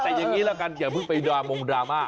แต่อย่างนี้ละกันอย่าเพิ่งไปดรามงดราม่า